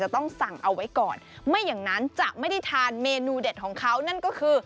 ต้องสั่งเอาไว้ก่อนไม่อย่างนั้นจะไม่ได้ทานเมนูเด็ดของเขานั่นก็คือ